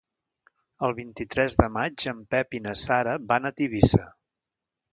El vint-i-tres de maig en Pep i na Sara van a Tivissa.